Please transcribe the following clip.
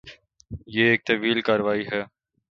یہ ایک طویل کارروائی ہے۔